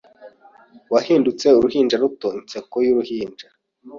Uwahindutse uruhinja ruto Inseko yuruhinja